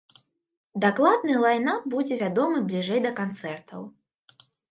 Дакладны лайн-ап будзе вядомы бліжэй да канцэртаў.